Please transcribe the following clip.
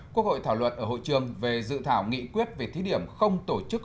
quốc hội thảo luận ở hội trường về dự thảo nghị quyết về thí điểm không tổ chức